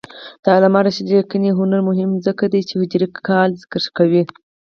د علامه رشاد لیکنی هنر مهم دی ځکه چې هجري کال ذکر کوي.